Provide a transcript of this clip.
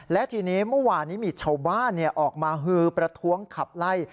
และทีนี้เมื่อวานนี้มีชาวบ้านออกมาฮือประท้วงขับไล่